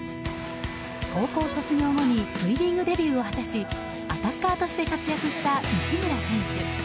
高校卒業後にＶリーグデビューを果たしアタッカーとして活躍した西村選手。